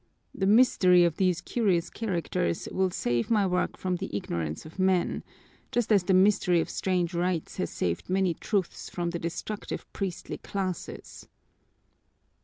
The mystery of these curious characters will save my work from the ignorance of men, just as the mystery of strange rites has saved many truths from the destructive priestly classes."